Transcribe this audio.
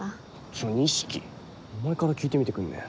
ちょ二色お前から聞いてみてくんね？